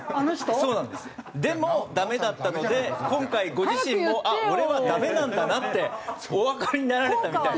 でもダメだったので今回ご自身もあっ俺はダメなんだなっておわかりになられたみたい。